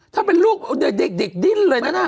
ถ้าเป็นลูกเด็กดิ้นเลยนะ